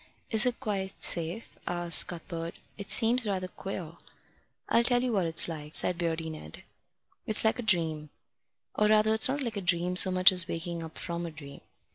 "Is it quite safe?" asked Cuthbert. "It seems rather queer." "I'll tell you what it's like," said Beardy Ned. "It's like a dream. Or rather it's not like a dream so much as waking up from a dream.